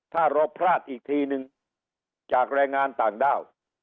ถ้าเราพลาดอีกทีนึงจากแรงงานต่างด้าว